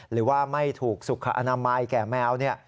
หรือว่าไม่ถูกสุขอนามัยแก่แมว